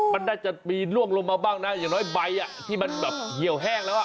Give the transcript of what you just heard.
มันน่าจะมีล่วงลงมาบ้างนะอย่างน้อยใบที่มันแบบเหี่ยวแห้งแล้วอ่ะ